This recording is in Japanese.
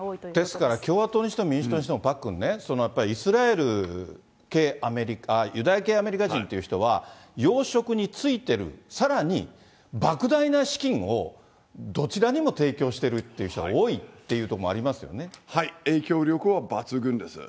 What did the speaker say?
ですから、共和党にしても民主党にしてもパックンね、イスラエル系アメリカ、ユダヤ系アメリカ人という人は、要職に就いてる、さらにばく大な資金をどちらにも提供しているっていう人が多いと影響力は抜群です。